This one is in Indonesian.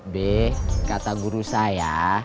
be kata guru saya